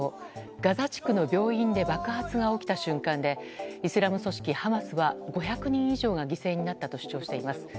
ガザ地区の病院で爆発が起きた瞬間でイスラム組織ハマスは５００人以上が犠牲になったと主張しています。